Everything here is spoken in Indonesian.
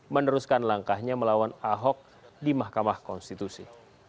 meneruskan langkahnya melawan ahok di mahkamah konstitusi